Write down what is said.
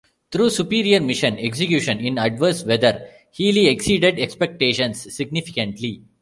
Through superior mission execution in adverse weather, "Healy" exceeded expectations significantly.